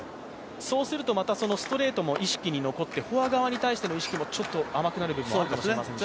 そうすると、またストレートの意識も残って、フォア側に対してもちょっと甘くなる部分もありますね。